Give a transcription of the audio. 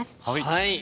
はい。